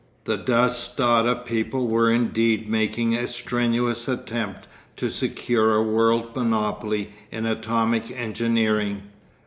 The Dass Tata people were indeed making a strenuous attempt to secure a world monopoly in atomic engineering.